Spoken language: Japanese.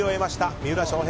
三浦翔平！